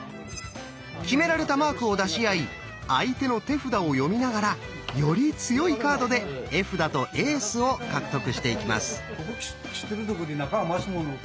決められたマークを出し合い相手の手札をよみながらより強いカードで絵札とエースを獲得していきます。